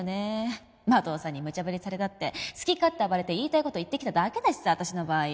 麻藤さんにむちゃ振りされたって好き勝手暴れて言いたい事言ってきただけだしさ私の場合。